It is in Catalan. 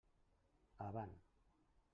Avant!